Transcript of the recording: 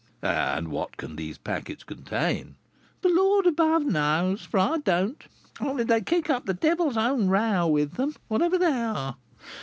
"And what can these packets contain?" "The Lord above knows, for I don't; only they kick up the devil's own row with them, whatever they are.